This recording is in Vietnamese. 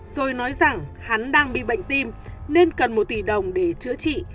rồi nói rằng hắn đang bị bệnh tim nên cần một tỷ đồng để chữa trị